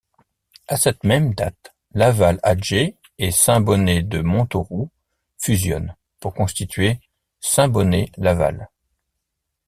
À cette même date, Laval-Atger et Saint-Bonnet-de-Montauroux fusionnent pour constituer Saint Bonnet-Laval.